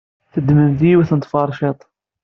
Teddem-d yiwet n tferciḍt.